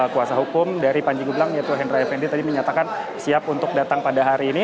kuasa hukum dari panji gumilang yaitu hendra effendi tadi menyatakan siap untuk datang pada hari ini